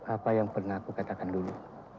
apa yang pernah aku katakan dulu